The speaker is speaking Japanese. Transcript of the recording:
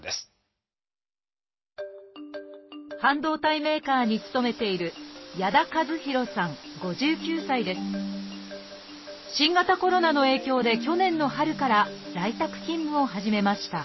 半導体メーカーに勤めている新型コロナの影響で去年の春から在宅勤務を始めました